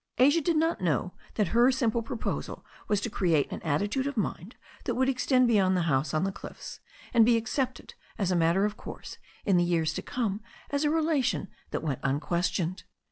Asia did not know that her simple proposal was to create an attitude of mind that would extend beyond the house on the cliffs, and be accepted as a matter of course in the years to come as a relation that went unquestioned.